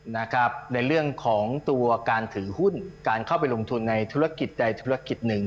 ในเรื่องของตัวการถือหุ้นการเข้าไปลงทุนในธุรกิจใดธุรกิจหนึ่ง